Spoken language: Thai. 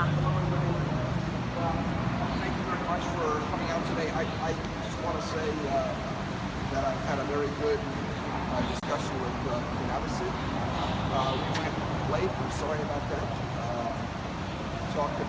ขอโทษทีนี่นะครับ